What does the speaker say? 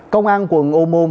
công an quận ô môn